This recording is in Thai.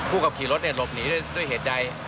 ผู้ขับขี่รถเนี่ยหลบหนีด้วยเหตุใด